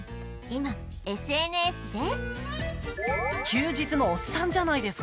今 ＳＮＳ で